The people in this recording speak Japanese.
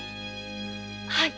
はい。